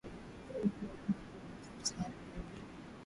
mwaka elfu moja mia tisa tisini na mbili